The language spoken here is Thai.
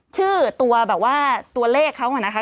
ชื่อตัวแบบว่าตัวเลขเขาเหมือนกันค่ะ